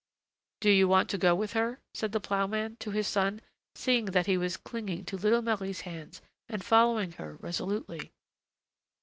"Do you want to go with her?" said the ploughman to his son, seeing that he was clinging to little Marie's hands and following her resolutely.